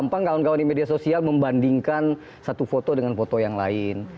tanya pak jokowi ya kawan kawan di media sosial membandingkan satu foto dengan foto yang lain